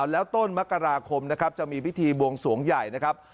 แล้วต้นมกราคมนะครับจะมีพิธีบวงสวงใหญ่นะครับ